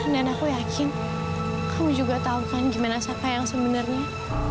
dan aku yakin kamu juga tahu kan gimana sava yang sebenarnya